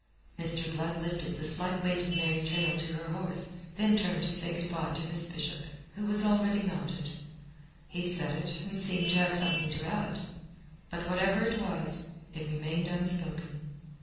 Mr. Blood lifted the slight weight of Mary Traill to her horse, then turned to say good bye to Miss Bishop, who was already mounted. He said it, and seemed to have something to add. But whatever it was, it remained unspoken.